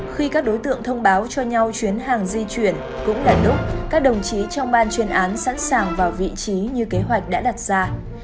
khi các đối tượng thông báo cho nhau chuyến hàng di chuyển cũng là lúc các đồng chí trong ban chuyên án sẵn sàng vào vị trí như kế hoạch đã đặt ra